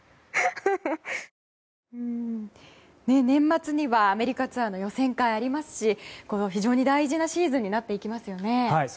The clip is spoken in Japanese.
年末にはアメリカツアーの予選会がありますし非常に大事なシーズンになっていきますよね。